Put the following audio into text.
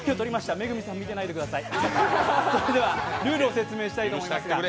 恵さん、見ていないでください。